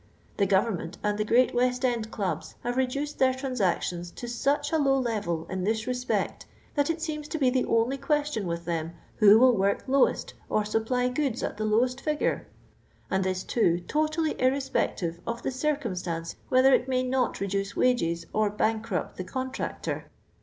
The (jovernmeut and the great West end clubs have reduced their transactions to such a low level in this respect that it seems to be the only question with thera, Who will work lowest or supply goods at the lowest figure? And this, too, totally irre spective of the circumstance whether it may not reduce wages or bankrupt the contractor.